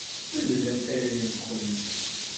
Medlemt allen-nkent.